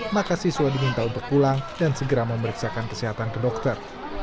maka siswa diminta untuk pulang dan segera memeriksakan kesehatan ke dokter